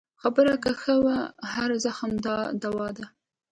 خبره که ښه وي، هر زخم دوا ده.